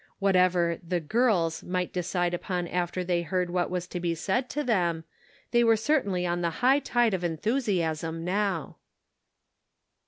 Whatever " the girls," might decide upon after they heard what was to be said to them, they were certainly on the high tide of enthusiasm now.